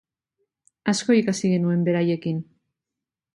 Asko ikasi genuen beraiekin.